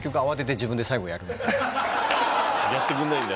やってくれないんだ。